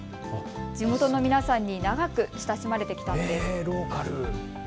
地元の皆さんに長く親しまれてきたんです。